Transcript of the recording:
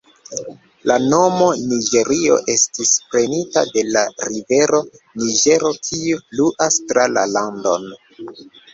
La nomo Niĝerio estis prenita de la rivero Niĝero kiu fluas tra la landon.